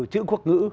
chữ quốc ngữ